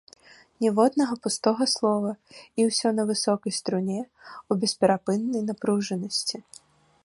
Ніводнага пустога слова, і ўсё на высокай струне, у бесперапыннай напружанасці.